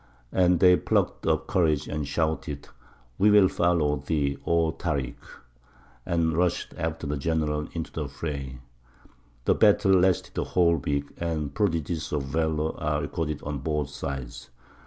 And they plucked up courage and shouted, "We will follow thee, O Tārik," and rushed after their general into the fray. The battle lasted a whole week, and prodigies of valour are recorded on both sides.